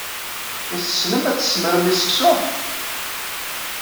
Is tessnem ad tessmrem i seksu?